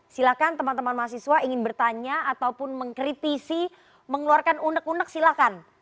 silahkan teman teman mahasiswa ingin bertanya ataupun mengkritisi mengeluarkan undeg undeg silahkan